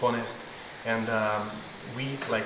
sangat indah baik dan baik